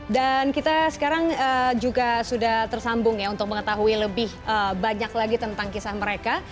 dan kita sekarang juga sudah tersambung ya untuk mengetahui lebih banyak lagi tentang kisah mereka